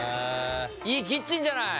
いいキッチンじゃない！